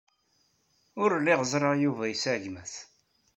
Ur lliɣ ẓriɣ Yuba yesɛa gma-s.